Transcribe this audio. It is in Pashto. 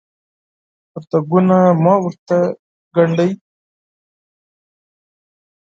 پرتوګونه مه ورته ګاڼډه